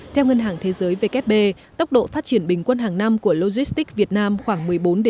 theo ngân hàng thế giới vkp tốc độ phát triển bình quân hàng năm của logistics việt nam khoảng một mươi bốn một mươi sáu